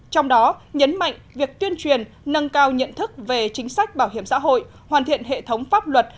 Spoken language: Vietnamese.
trong đó nhấn mạnh việc tuyên truyền nâng cao nhận thức về chính sách bảo hiểm xã hội hoàn thiện hệ thống pháp luật